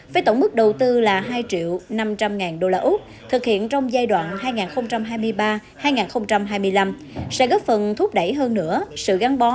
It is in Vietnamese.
với tổng mức đầu tư là hai triệu năm trăm linh ngàn đô la út thực hiện trong giai đoạn hai nghìn hai mươi ba hai nghìn hai mươi năm sẽ góp phần thúc đẩy hơn nữa sự gắn bó